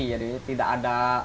jadi tidak ada